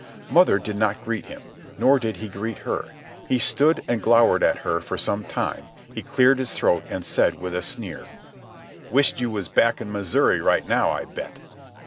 Mother did not greet him, nor did he greet her. He stood and glowered at her for some time, he cleared his throat and said with a sneer: "Wisht you was back in Missouri right now I bet."